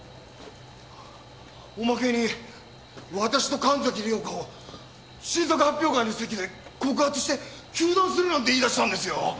おまけに私と神崎涼子を新作発表会の席で告発して糾弾するなんて言い出したんですよ！